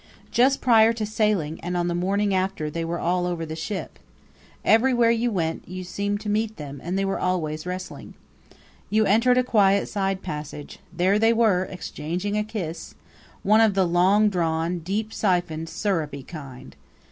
Just prior to sailing and on the morning after they were all over the ship. Everywhere you went you seemed to meet them and they were always wrestling. You entered a quiet side passage there they were, exchanging a kiss one of the long drawn, deep siphoned, sirupy kind.